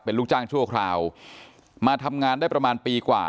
เป็นลูกจ้างชั่วคราวมาทำงานได้ประมาณปีกว่า